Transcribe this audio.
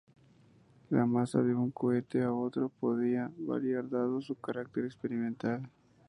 La masa de un cohete a otro podía variar, dado su carácter experimental.